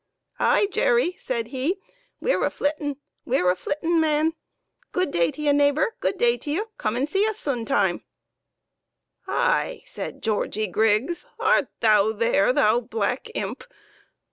" Ay, Jerry !" said he, " we're a flittin'? we're a flittin', man ! Good day to ye, neighbor, good day to ye ! Come and see us soon time !"" High !" cried Georgie Griggs, " art thou there, thou black imp